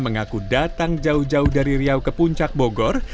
mengaku datang jauh jauh dari riau ke puncak bogor